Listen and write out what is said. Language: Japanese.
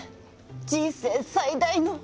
人生最大の。